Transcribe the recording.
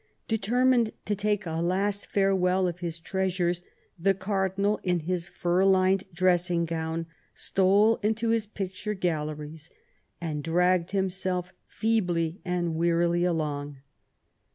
Determined to take a last farewell of his treasures, the cardinal, in his fur lined dressing gown, stole into his picture galleries, and dragged himself feebly and wearily along.